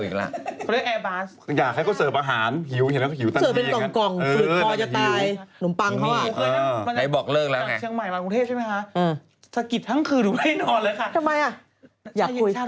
พอแล้วจะนอนอะไรเงี้ย